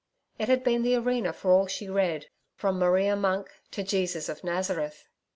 It had been the arena for all she read from 'Maria Monk' to 'Jesus of Nazareth.'